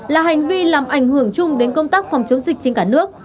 là hành vi làm ảnh hưởng chung đến công tác phòng chống dịch trên cả nước